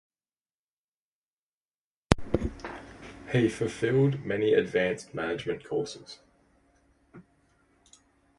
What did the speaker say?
He fulfilled many Advanced Management courses.